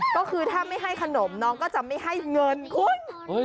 ก็คือถ้าไม่ให้ขนมน้องก็จะไม่ให้เงินคุณ